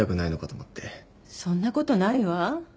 そんなことないわ。